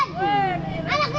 kenalin nama kecilan